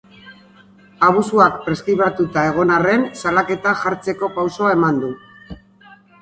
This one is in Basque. Abusuak preskribatuta egon arren, salaketa jartzeko pausoa eman du.